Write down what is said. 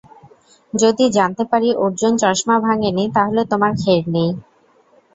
যদি জানতে পারি অর্জুন চশমা ভাঙেনি, তাহলে তোমার ক্ষের নেই।